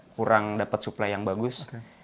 kurang dapat suplai yang bagus